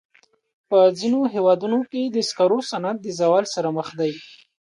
په ځینو هېوادونو کې د سکرو صنعت د زوال سره مخ دی.